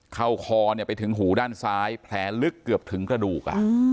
คอไปถึงหูด้านซ้ายแผลลึกเกือบถึงกระดูก